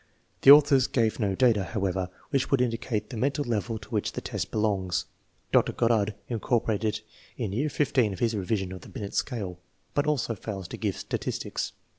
1 The authors gave no data, however, which would indicate the mental level to which the test belongs. Dr. Goddard incorporated it in year XV of his revision of the Binet scale, but also fails to give statistics.